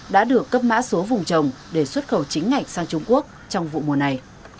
đã được cấp mã số vùng trồng để xuất khẩu chính ngạch sang trung quốc trong vụ mùa này